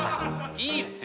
いいですよ。